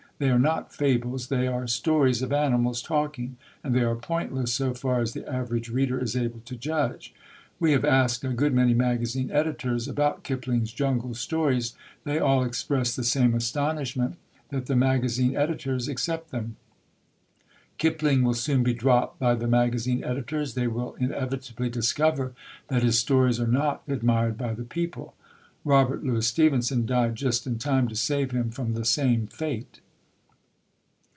They are not fables: they are stories of animals talking, and they are pointless, so far as the average reader is able to judge. We have asked a good many magazine editors about Kipling's Jungle Stories; they all express the same astonishment that the magazine editors accept them. Kipling will soon be dropped by the magazine editors; they will inevitably discover that his stories are not admired by the people. Robert Louis Stevenson died just in time to save him from the same fate."